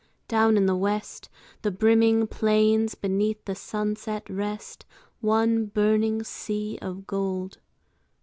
Down in the west The brimming plains beneath the sunset rest, One burning sea of gold.